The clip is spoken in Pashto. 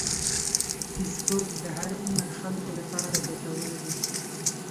فېسبوک د هر عمر خلکو لپاره ګټور دی